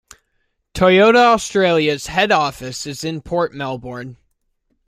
Toyota Australia's Head Office is in Port Melbourne.